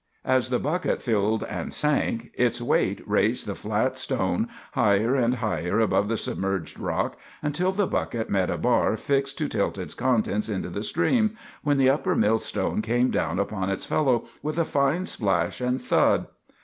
As the bucket filled and sank, its weight raised the flat stone higher and higher above the submerged rock until the bucket met a bar fixed to tilt its contents into the stream, when the upper millstone came down upon its fellow with a fine splash and thud.